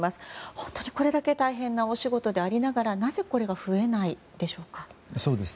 本当に、これだけ大変なお仕事でありながらなぜ、これが増えないのでしょうか。